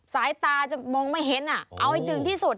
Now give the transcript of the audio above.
สายตาจะมองไม่เห็นเอาให้ถึงที่สุด